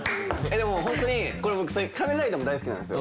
でもホントにこれ僕『仮面ライダー』も大好きなんですよ。